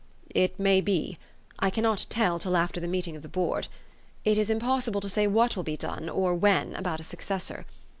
u It may be I cannot tell till after the meeting of the Board. It is impossible to say what will be done, or when, about a successor.